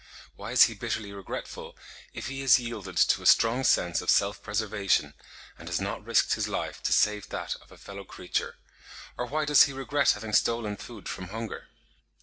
Why is he bitterly regretful, if he has yielded to a strong sense of self preservation, and has not risked his life to save that of a fellow creature? or why does he regret having stolen food from hunger?